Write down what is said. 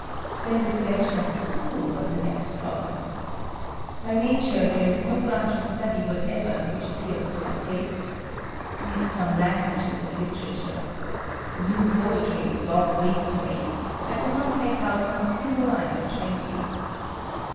Then the selection of a school was the next problem. By nature, there is no branch of study whatever which appeals to my taste. Nix on languages or literature! The new poetry was all Greek to me; I could not make out one single line of twenty.